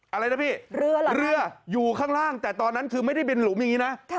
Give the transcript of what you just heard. อะไรนะพี่เรือเหรอเรืออยู่ข้างล่างแต่ตอนนั้นคือไม่ได้บินหลุมอย่างนี้นะ